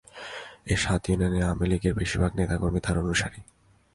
এই সাত ইউনিয়নে আওয়ামী লীগের বেশির ভাগ নেতা কর্মী তাঁর অনুসারী।